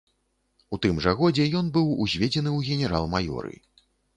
У тым жа годзе ён быў узведзены ў генерал-маёры.